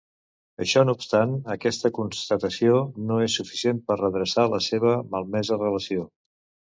Això no obstant, aquesta constatació no és suficient per redreçar la seva malmesa relació.